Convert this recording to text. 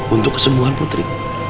untuk kesembuhan putri